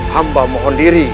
hamba mohon diri